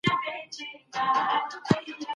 سياست به تل د انسانانو د ژوند مهمه برخه وي.